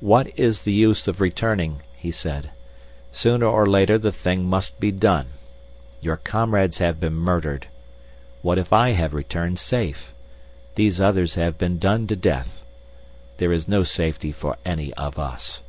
"What is the use of returning?" he said. "Sooner or later the thing must be done. Your comrades have been murdered. What if I have returned safe? These others have been done to death. There is no safety for any of us.